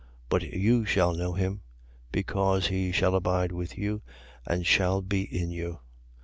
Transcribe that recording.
But you shall know him; because he shall abide with you and shall be in you.